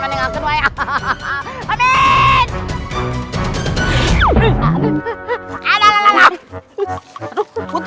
amin kamu tidak bisa bercerita